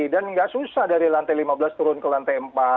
dan tidak susah dari lantai lima belas turun ke lantai empat